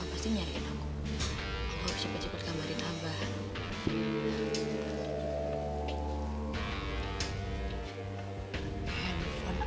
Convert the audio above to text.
abah harus cepat cepat gambarin abah